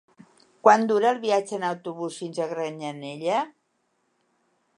Quant dura el viatge en autobús fins a Granyanella?